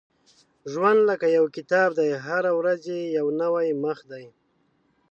• ژوند لکه یو کتاب دی، هره ورځ یې یو نوی مخ دی.